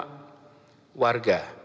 tapi kami meminta kepada semua warga